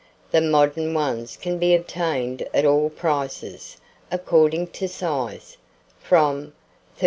The modern ones can be obtained at all prices, according to size, from 13s.